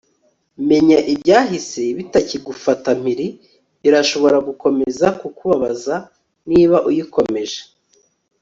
menya ibyahise bitakigufata mpiri. irashobora gukomeza kukubabaza niba uyikomeje